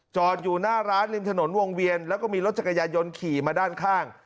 จอดอยู่หน้าร้านริมถนนวงเวียนแล้วก็มีรถจักรยายนต์ขี่มาด้านข้าง